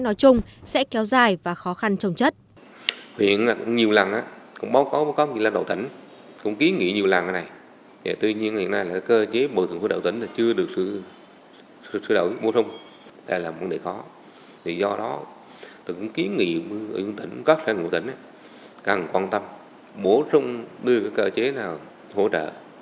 nói chung sẽ kéo dài và khó khăn trồng chất